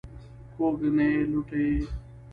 کوږ نه یې لوټه یې.